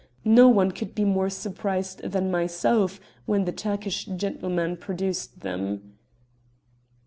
No one could be more surprised than myself when the Turkish gentleman produced them."